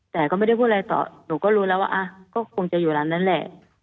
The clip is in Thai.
แต่ก็ไม่ได้พูดอะไรต่อหนูก็รู้แล้วว่าก็คงจะอยู่ร้านนั้นแหละ